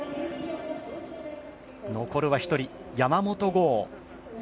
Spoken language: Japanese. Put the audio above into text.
残るは１人、山元豪。